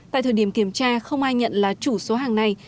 tại thời điểm kiểm tra không ai nhận là chủ số hàng này